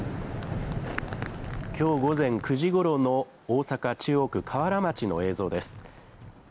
きょう午前９時ごろの大阪・中央区瓦町の映像です。